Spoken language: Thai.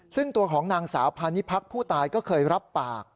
ซึ่งตัวของนางสาวพานิพักษ์ผู้ตายก็เคยรับปาก